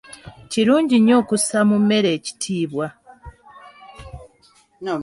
Kirungi nnyo okussa mu mmere ekitiibwa.